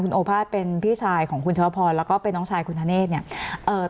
โอภาษเป็นพี่ชายของคุณชวพรแล้วก็เป็นน้องชายคุณธเนธเนี่ยเอ่อ